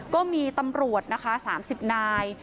ก็มีตำรวจนะคะ๓๐นาย